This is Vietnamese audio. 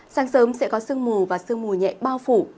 sáng sớm sẽ có sương mù và sương mù nhẹ bao phủ